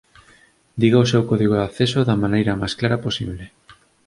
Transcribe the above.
Diga o seu código de acceso da maneira máis clara posible